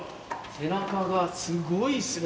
背中がすごいっすね。